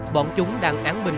bọn chúng đang án minh